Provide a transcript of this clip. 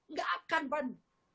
nggak akan pan